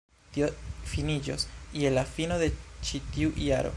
Tio finiĝos je la fino de ĉi tiu jaro